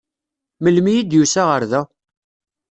Melmi i d-yusa ar da?